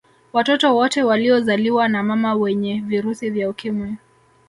Watoto wote waliozaliwa na mama wenye virusi vya Ukimwi